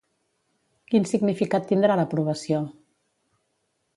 Quin significat tindrà l'aprovació?